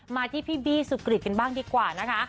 มาที่พี่บี้สุกริตกันบ้างดีกว่านะคะ